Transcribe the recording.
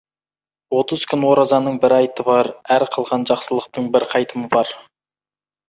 Отыз күн оразаның бір айты бар, әр қылған жақсылықтың бір қайтымы бар.